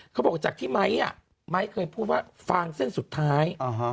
เขาบอกจากที่ไมค์ไม้เคยพูดว่าฟางเส้นสุดท้าย